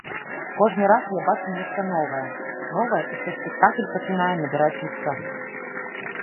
Кожны раз я бачу нешта новае, новае і што спектакль пачынае набіраць жыццё.